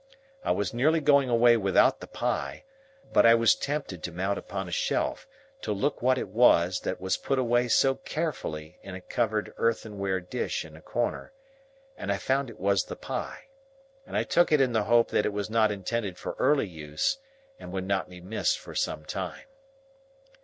I was nearly going away without the pie, but I was tempted to mount upon a shelf, to look what it was that was put away so carefully in a covered earthenware dish in a corner, and I found it was the pie, and I took it in the hope that it was not intended for early use, and would not be missed for some time.